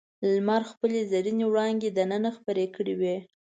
لمر خپلې زرینې وړانګې دننه خپرې کړې وې.